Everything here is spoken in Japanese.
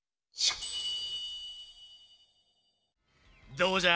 どうじゃ？